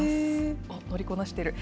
乗りこなしている。